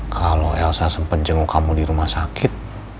kalau elsa sempat jenguk kamu di rumah sakit